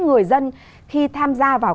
người dân khi tham gia vào